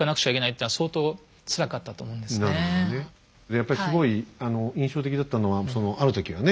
やっぱりすごい印象的だったのはそのある時はね